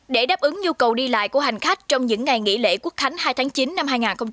để đáp ứng nhu cầu đi lại của hành khách trong những ngày nghỉ lễ quốc khánh hai tháng chín năm hai nghìn hai mươi